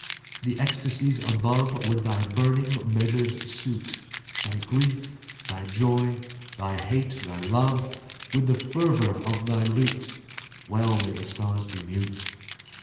The ecstasies above With thy burning measures suit: Thy grief, thy joy, thy hate, thy love, With the fervor of thy lute: Well may the stars be mute!